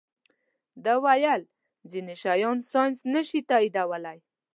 ده ویل ځینې شیان ساینس نه شي تائیدولی.